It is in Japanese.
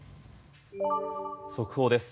速報です。